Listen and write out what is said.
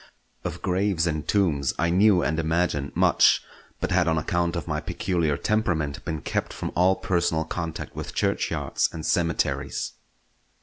Of graves and tombs I knew and imagined much, but had on account of my peculiar temperament been kept from all personal contact with churchyards and cemeteries.